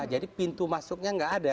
jadi pintu masuknya tidak ada